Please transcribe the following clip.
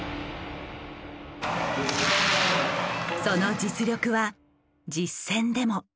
その実力は実戦でも。